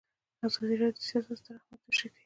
ازادي راډیو د سیاست ستر اهميت تشریح کړی.